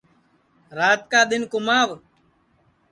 رات کا دؔن کُماو